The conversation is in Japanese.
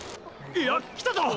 いや来たぞ！